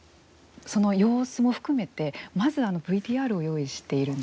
その様子も含めて、まずＶＴＲを用意しているんですね。